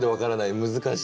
難しいな。